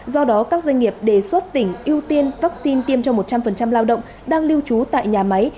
do đó các doanh nghiệp đề xuất tỉnh ưu tiên vaccine tiêm cho một trăm linh lao động đang lưu trú tại nhà máy